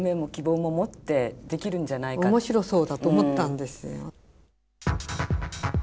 面白そうだと思ったんですよ。